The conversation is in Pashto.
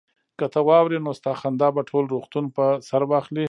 که ته واورې نو ستا خندا به ټول روغتون په سر واخلي